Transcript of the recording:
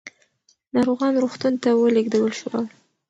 ناروغان روغتون ته ولېږدول شول.